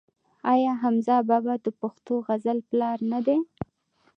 آیا حمزه بابا د پښتو غزل پلار نه دی؟